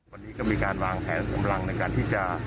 วันนี้ก็มีการวางแผนกำลังในการที่จะ